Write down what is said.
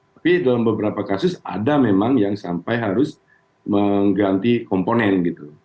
tapi dalam beberapa kasus ada memang yang sampai harus mengganti komponen gitu